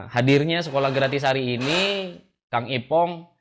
hadirnya sekolah gratis hari ini kang ipong